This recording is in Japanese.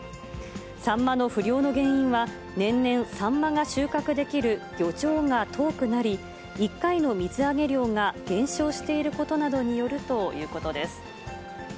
サンマの不漁の原因は、年々、サンマが収穫できる漁場が遠くなり、１回の水揚げ量が減少していることなどによるということです。